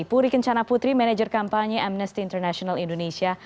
puri kencana putri manager kampanye amnesty international indonesia